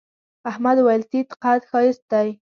احمد وويل: تيت قد ښایست دی.